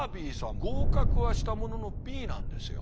合格はしたもののＢなんですよ。